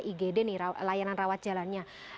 igd nih layanan rawat jalannya